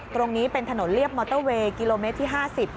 ตรงนี้เป็นถนนเรียบมอเตอร์เวย์กิโลเมตรที่๕๐